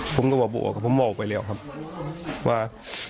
คุณรักพ่อบอกออกค่ะผมบอกไปเลยค่ะว่า